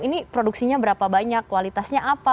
ini produksinya berapa banyak kualitasnya apa